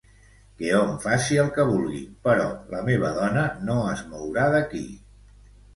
Que hom faci el que vulgui, però la meva dona no es mourà d'aquí.